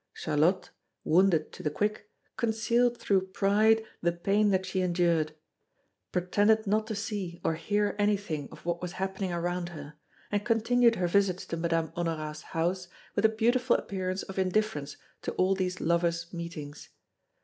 Charlotte, wounded to the quick, concealed through pride the pain that she endured, pretended not to see or hear anything of what was happening around her, and continued her visits to Madame Honorat's house with a beautiful appearance of indifference to all these lovers' meetings.